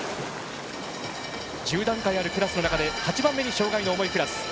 １０段階あるクラスの中で８番目に障がいの重いクラス。